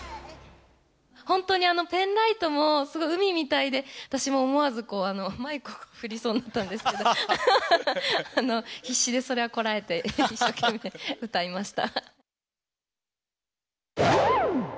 本当に、ペンライトもすごい海みたいで、私も思わずマイクを振りそうになったんですけど、必死でそれはこらえて、一生懸命歌いました。